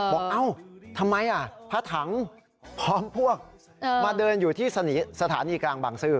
เอ้าทำไมพระถังพร้อมพวกมาเดินอยู่ที่สถานีกลางบางซื่อ